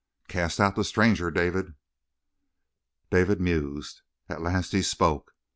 "Cast out the stranger, David." David mused. At last he spoke.